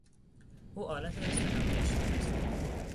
او آلت دست عمویش شده است.